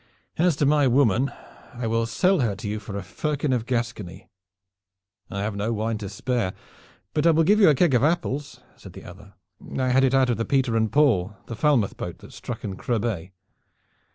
And as to my woman, I will sell her to you for a firkin of Gascony." "I have no wine to spare, but I will give you a keg of apples," said the other. "I had it out of the Peter and Paul, the Falmouth boat that struck in Creux Bay."